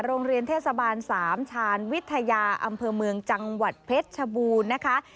โรงเรียนเทศบาลสามชาญวิทยาอำเภอเมืองจังหวัดเพชรชบูรณ์นะคะ